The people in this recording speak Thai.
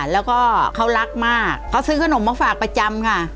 แล้วก็เขารักมากเขาซื้อขนมมาฝากประจำค่ะ